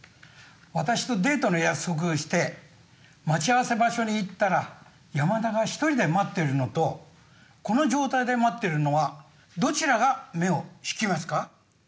私とデートの約束をして待ち合わせ場所に行ったら山田が一人で待ってるのとこの状態で待ってるのはどちらが目を引きますか？